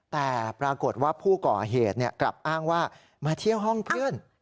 แต่ปรากฏว่าผู้ก่อเหตุกลับอ้างว่ามาเที่ยวห้องเพื่อน